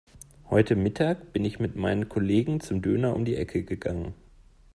Heute Mittag bin ich mit meinen Kollegen zum Döner um die Ecke gegangen.